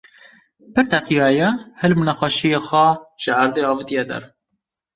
pir teqiyaye, hilm û nexweşiya xwe ji erdê avitiye der